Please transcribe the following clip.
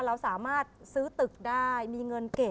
เราสามารถซื้อตึกได้มีเงินเก็บ